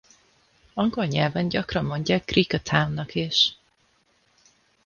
Angol nyelven gyakran mondják Griquatown-nak is.